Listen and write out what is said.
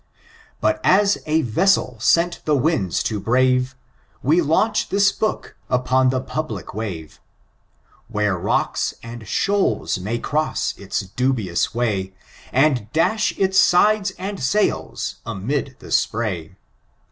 Buty as a yessel sent the winds to brave. We launch this book upon the public ware. Where rocks and shoals may cross its dubious way. And dash its sides and sails amid the spray.